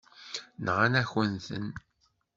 Nɣan-akent-ten.